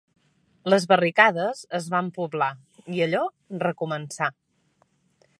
...les barricades es van poblar, i «allò» recomençà.